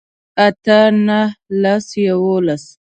اتۀ نهه لس يوولس